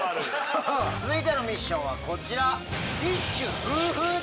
続いてのミッションはこちら。